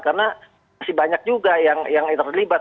karena masih banyak juga yang terlibat